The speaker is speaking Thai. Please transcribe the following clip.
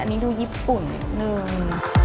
อันนี้ดูญี่ปุ่นอย่างนึง